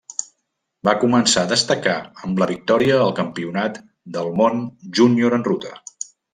Va començar a destacar amb la victòria al Campionat del món júnior en ruta.